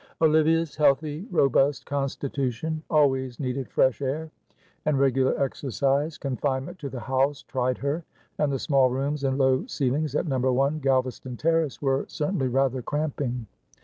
Olivia's healthy, robust constitution always needed fresh air and regular exercise. Confinement to the house tried her, and the small rooms and low ceilings at No. 1, Galvaston Terrace, were certainly rather cramping.